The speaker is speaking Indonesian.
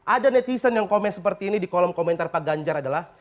ada netizen yang komen seperti ini di kolom komentar pak ganjar adalah